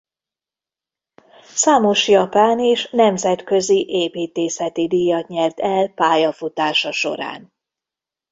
Számos japán és nemzetközi építészeti díjat nyert el pályafutása során.